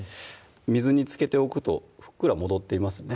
水につけておくとふっくら戻っていますね